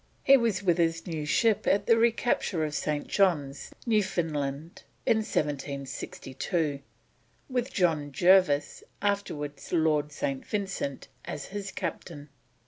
He was with his new ship at the recapture of St. John's, Newfoundland, in 1762, with John Jervis, afterwards Lord St. Vincent, as his Captain.